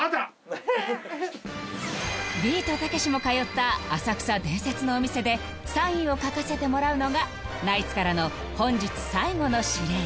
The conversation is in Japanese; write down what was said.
ビートたけしも通った浅草伝説のお店でサインを書かせてもらうのがナイツからの本日最後の指令